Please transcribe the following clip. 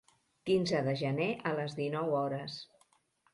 Quinze de gener a les dinou hores.